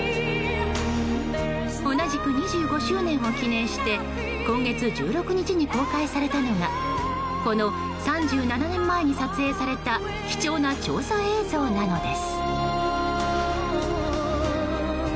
同じく２５周年を記念して今月１６日に公開されたのがこの３７年前に撮影された貴重な調査映像なのです。